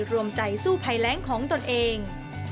รวมใจสู้ภัยแรงของตนเอง